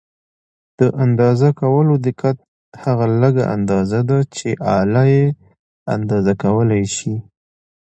د اندازه کولو دقت هغه لږه اندازه ده چې آله یې اندازه کولای شي.